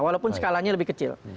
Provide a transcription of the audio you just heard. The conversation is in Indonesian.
walaupun skalanya lebih kecil